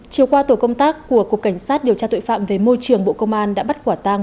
chiều qua tổ công tác của cục cảnh sát điều tra tội phạm về môi trường bộ công an đã bắt quả tang